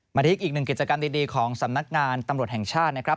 มาที่อีกหนึ่งกิจกรรมดีของสำนักงานตำรวจแห่งชาตินะครับ